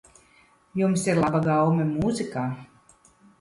Jums ir laba gaume mūzikā.